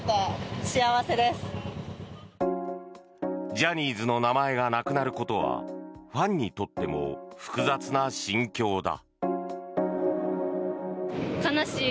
ジャニーズの名前がなくなることはファンにとっても複雑な心境だ。